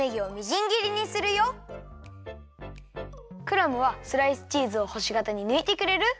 クラムはスライスチーズをほしがたにぬいてくれる？